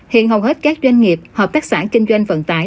hiện hầu hết các doanh nghiệp hợp tác xã kinh doanh vận tải